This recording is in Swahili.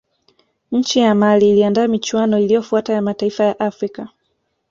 nchi ya mali iliandaa michuano iliyofuata ya mataifa ya afrika